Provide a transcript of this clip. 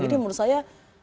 jadi menurut saya